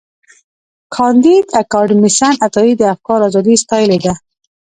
کانديد اکاډميسن عطایي د افکارو ازادي ستایلې ده.